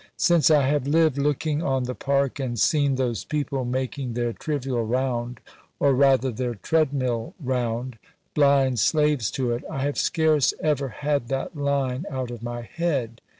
_ Since I have lived looking on the Park, and seen those people making their trivial round, or rather their treadmill round, blind slaves to it, I have scarce ever had that line out of my head.